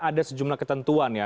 ada sejumlah ketentuan ya